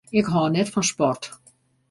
Ik hâld net fan sport.